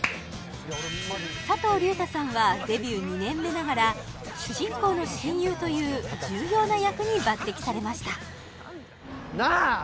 佐藤隆太さんはデビュー２年目ながら主人公の親友という重要な役に抜擢されましたなあ